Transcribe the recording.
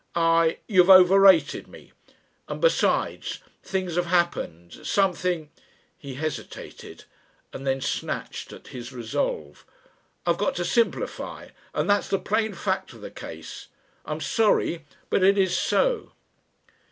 I you've overrated me. And besides Things have happened. Something " He hesitated and then snatched at his resolve, "I've got to simplify and that's the plain fact of the case. I'm sorry, but it is so."